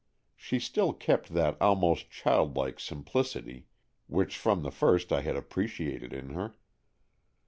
She still kept that almost childlike simplicity which from the first I had appreciated in her.